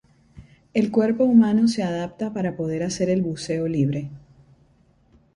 El cuerpo humano se adapta para poder hacer el buceo libre.